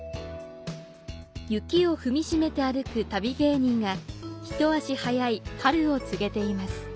雪を踏みしめて歩く旅芸人が、ひと足早い春を告げています。